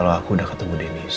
kalau aku udah ketemu denny